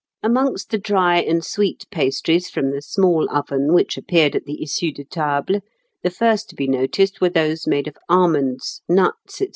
Amongst the dry and sweet pastries from the small oven which appeared at the issue de table, the first to be noticed were those made of almonds, nuts, &c.